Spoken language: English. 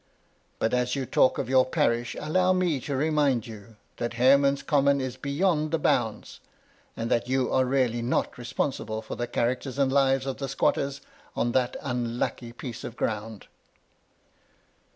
But as you talk of your parish, allow me to remind you that Hareman's Com mon is beyond the bounds, and that you are really not responsible for the characters and lives of the squatters on that unlucky piece of ground."